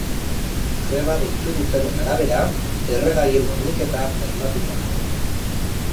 Greba deitu dutenen arabera, erregaien horniketa bermatuta dago.